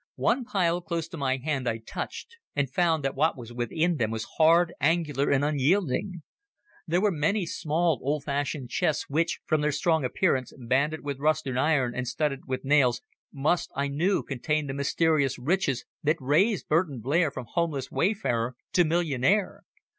One pile close to my hand I touched, and found that what was within them was hard, angular and unyielding. There were many small, old fashioned chests which, from their strong appearance, banded with rusted iron and studded with nails, must, I knew, contain the mysterious riches that raised Burton Blair from homeless wayfarer to millionaire.